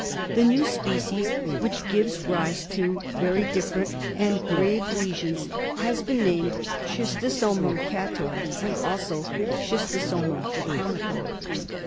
The new species, "which gives rise to very different and grave lesions, has been named Schis tosomum cattoi, and also Schistosomum japonicum.